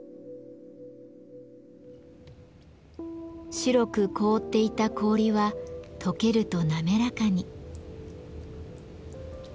白く凍っていた氷はとけると滑らかに。